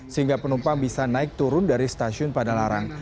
sehingga penumpang bisa naik turun dari stasiun padalarang